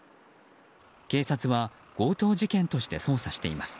警察は強盗事件として捜査しています。